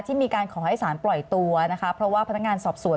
มีการขอให้สารปล่อยตัวนะคะเพราะว่าพนักงานสอบสวน